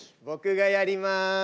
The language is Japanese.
僕がやります。